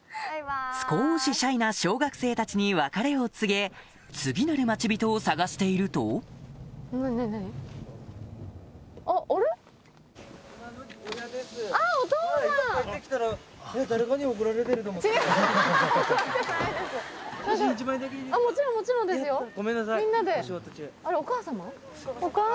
少しシャイな小学生たちに別れを告げ次なる町人を探しているとごめんなさいお仕事中。